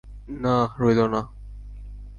না, রইল না।